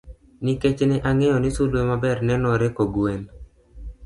Nikech ne ang'eyo ni sulwe maber nenore kogwen.